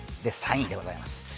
３位でございます。